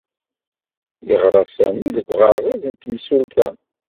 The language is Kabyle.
Yeɣra Sami deg uɣerbaz n temsulta